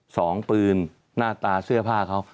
สองปืนหน้าตาเสื้อผ้าเขา